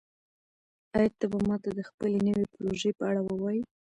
آیا ته به ماته د خپلې نوې پروژې په اړه ووایې؟